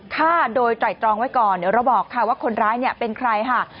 ฆ่าโดยไตรตรองไว้ก่อนเดี๋ยวเราบอกค่ะว่าคนร้ายเนี่ยเป็นใครค่ะ